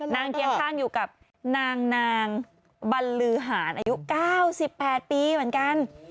เคียงข้างอยู่กับนางบรรลือหารอายุ๙๘ปีเหมือนกัน